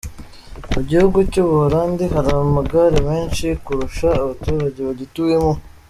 Mu gihugu cy’u Buholandi hari amagare menshi kurusha abaturage bagituyemo.